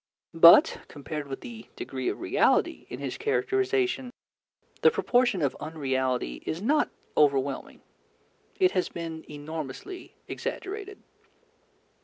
But, compared with the degree of reality in his characterization, the proportion of unreality is not overwhelming. It has been enormously exaggerated.